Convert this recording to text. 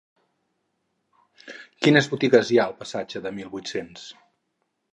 Quines botigues hi ha al passatge del Mil vuit-cents?